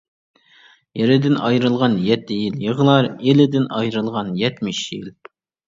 يېرىدىن ئايرىلغان يەتتە يىل يىغلار، ئېلىدىن ئايرىلغان يەتمىش يىل.